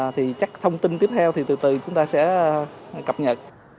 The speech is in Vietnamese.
thì chắc thông tin tiếp theo thì từ từ chúng ta sẽ cập nhật